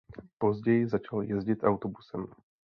Později začal jezdit autobusem.